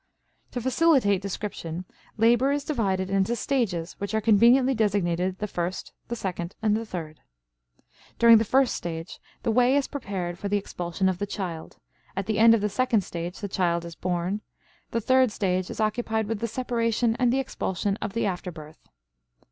To facilitate description, labor is divided into stages which are conveniently designated the first, the second, and the third. During the first stage the way is prepared for the expulsion of the child; at the end of the second stage the child is born; the third stage is occupied with the separation and the expulsion of the after birth.